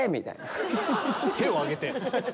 手を上げて⁉